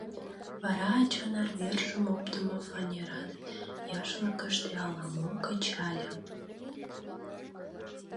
Вара ачан арвержым оптымо фанеран яшлыкыште ала-мом кычале.